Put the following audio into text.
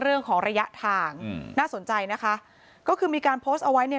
เรื่องของระยะทางอืมน่าสนใจนะคะก็คือมีการโพสต์เอาไว้เนี่ย